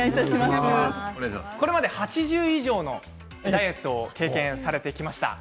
これまで８０以上のダイエットを経験されてきました。